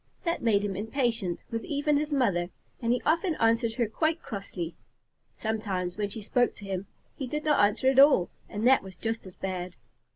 That made him impatient with even his mother, and he often answered her quite crossly. Sometimes, when she spoke to him, he did not answer at all, and that was just as bad.